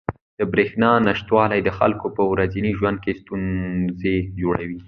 د بریښنا نشتوالی د خلکو په ورځني ژوند کې ستونزې جوړوي.